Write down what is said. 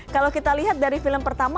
kalau kita lihat dari film pertama